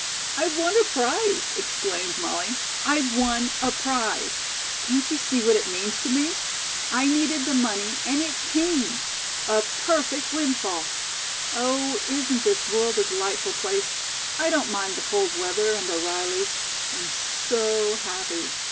"I've won a prize," exclaimed Molly. "I've won a prize. Can't you see what it means to me? I needed the money and it came. A perfect windfall. Oh, isn't this world a delightful place? I don't mind the cold weather and O'Reilly's. I'm so happy.